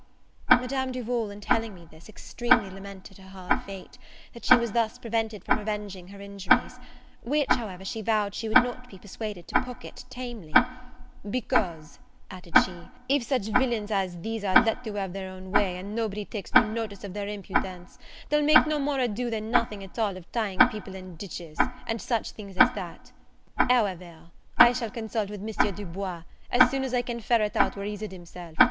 Madame Duval, in telling me this, extremely lamented her hard fate, that she was thus prevented from revenging her injuries; which, however, she vowed she would not be persuaded to pocket tamely: "because," added she, "if such villains as these are let to have their own way, and nobody takes no notice of their impudence, they'll make no more ado than nothing at all of tying people in ditches, and such things as that: however, I shall consult with M. Du Bois, as soon as I can ferret out where he's hid himself.